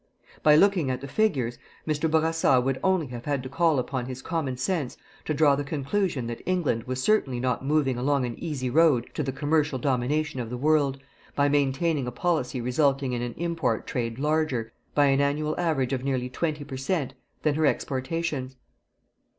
By looking at the figures, Mr. Bourassa would only have had to call upon his common sense to draw the conclusion that England was certainly not moving along an easy road to the commercial domination of the world by maintaining a policy resulting in an import trade larger, by an annual average of nearly twenty per cent., than her exportations.